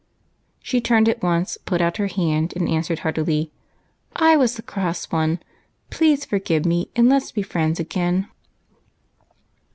She turned at once, put out her hand, and answered heartily, —" 7" was the cross one.. Please forgive me, and let's be friends again."